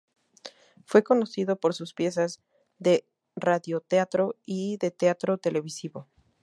Fue conocido por sus piezas de radioteatro y de teatro televisivo.